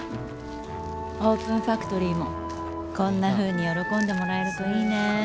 オープンファクトリーもこんなふうに喜んでもらえるといいね。